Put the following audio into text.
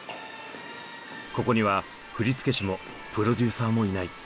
ここには振り付け師もプロデューサーもいない。